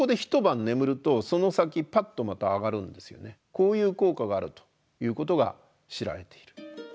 こういう効果があるということが知られている。